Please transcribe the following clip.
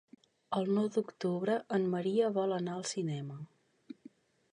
El nou d'octubre en Maria vol anar al cinema.